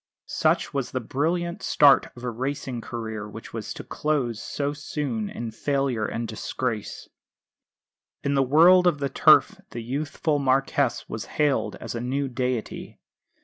Such was the brilliant start of a racing career which was to close so soon in failure and disgrace. In the world of the Turf the youthful Marquess was hailed as a new deity.